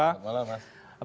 selamat malam mas